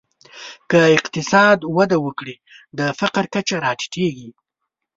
که اقتصاد وده وکړي، د فقر کچه راټیټېږي.